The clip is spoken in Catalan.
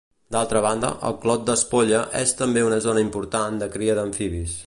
D'altra banda, el Clot d'Espolla és també una zona important de cria d'amfibis.